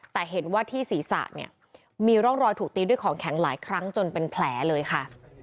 แต่เห็นว่าที่ศีรษะเนี่ยมีร่องรอยถูกตีด้วยของแข็งหลายครั้งจนเป็นแผลเลยค่ะ